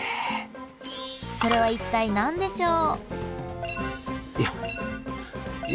それは一体何でしょう？